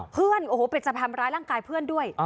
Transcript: โอ้โหเป็นจะทำร้ายร่างกายเพื่อนด้วย